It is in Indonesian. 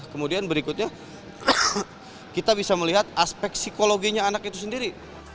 kemudian berikutnya kita bisa melihat aspek psikologinya anak itu sendiri